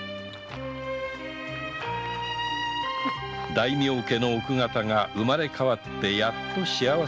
大名家の奥方が生まれ変わってやっと幸せを掴む